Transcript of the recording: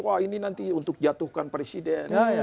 wah ini nanti untuk jatuhkan presiden